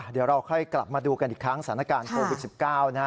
เดี๋ยวเราค่อยกลับมาดูกันอีกครั้งสถานการณ์โควิด๑๙นะฮะ